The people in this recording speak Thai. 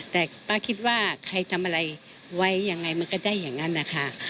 แต่ป้าคิดว่าใครทำอะไรไว้ยังไงมันก็ได้อย่างนั้นนะคะ